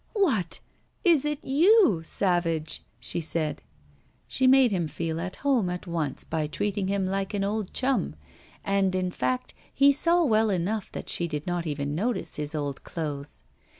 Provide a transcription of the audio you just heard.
'What! is it you, savage?' she said. She made him feel at home at once by treating him like an old chum, and, in fact, he saw well enough that she did not even notice his old clothes.